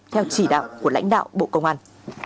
theo chỉ đạo của lãnh đạo bộ công an